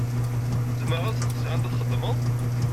Zemreɣ ad steqsiɣ anda txedmeḍ?